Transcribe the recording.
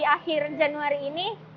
akhir januari ini